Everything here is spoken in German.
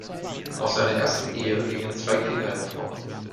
Aus seiner ersten Ehe gingen zwei Kinder hervor.